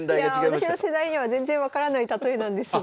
いやあ私の世代には全然分からない例えなんですが。